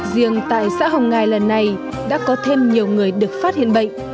riêng tại xã hồng ngài lần này đã có thêm nhiều người được phát hiện bệnh